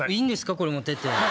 これ持ってって。